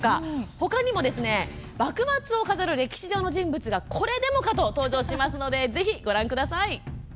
ほかにも幕末を飾る歴史上の人物がこれでもかと登場しますのでぜひご覧ください。